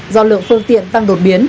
do lượng phương tiện tăng đột biến